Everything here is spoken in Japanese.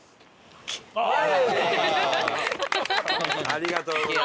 ありがとうございます。